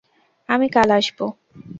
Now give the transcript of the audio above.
আমি কাল আসব।